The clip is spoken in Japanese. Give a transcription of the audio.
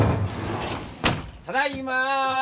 ただいまー！